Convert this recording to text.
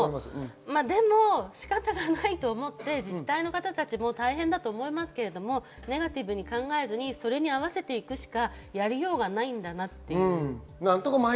でも仕方ないと思って、自治体の方たちも大変だと思いますけれどネガティブに考えずそれに合わせていくしかやりようがないんだなという。